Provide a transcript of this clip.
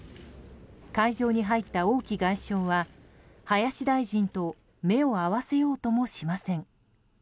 会場に入った王毅外相は林大臣と目を合わせようともしません。